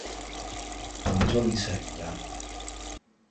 等咗你成日